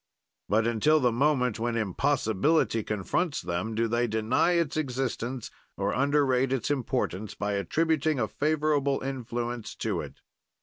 "But until the moment when impossibility confronts them, do they deny its existence or underrate its importance by attributing a favorable influence to it.